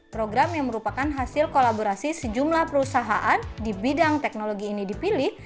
program yang merupakan hasil kolaborasi sejumlah perusahaan di bidang teknologi ini dipilih